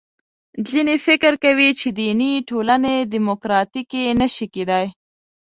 ځینې فکر کوي چې دیني ټولنې دیموکراتیکې نه شي کېدای.